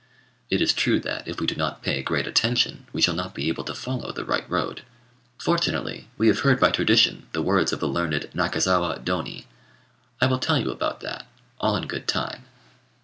It is true that, if we do not pay great attention, we shall not be able to follow the right road. Fortunately, we have heard by tradition the words of the learned Nakazawa Dôni: I will tell you about that, all in good time.